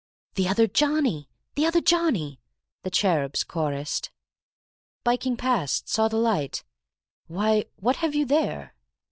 "The other Johnny, the other Johnny," the cherubs chorused. "Biking past—saw the light—why, what have you there?"